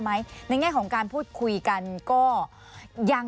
มีความรู้สึกว่า